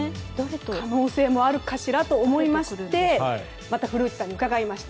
可能性もあるかしらと思いまして古内さんに伺いました。